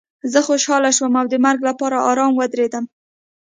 زه خوشحاله شوم او د مرګ لپاره ارام ودرېدم